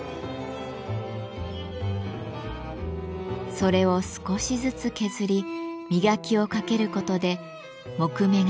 それを少しずつ削り磨きをかけることで木目がさらに際立ちます。